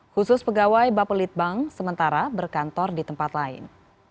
khusus pegawai bapelitbang sementara berkantor di tempat lain